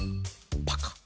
パカッ。